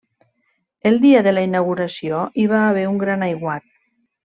El dia de la inauguració hi va haver un gran aiguat.